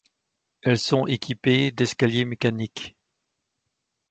Elles sont équipées d'escaliers mécaniques.